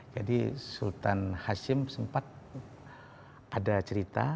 jadi sultan hasim sempat ada cerita